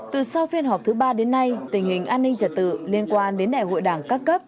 từ sau phiên họp thứ ba đến nay tình hình an ninh trật tự liên quan đến đại hội đảng các cấp